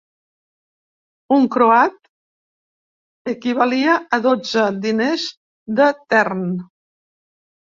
Un croat equivalia a dotze diners de tern.